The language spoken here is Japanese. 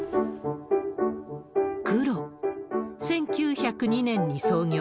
黒、１９０２年に創業。